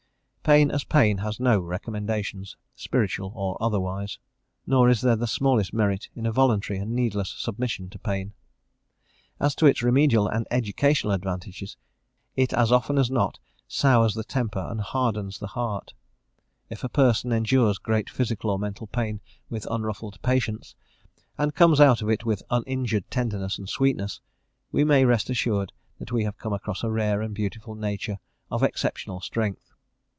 Pain as pain has no recommendations, spiritual or otherwise; nor is there the smallest merit in a voluntary and needless submission to pain. As to its remedial and educational advantages, it as often as not sours the temper and hardens the heart; if a person endures great physical or mental pain with unruffled patience, and comes out of it with uninjured tenderness and sweetness, we may rest assured that we have come across a rare and beautiful nature of exceptional strength.